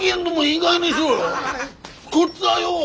こっちはよ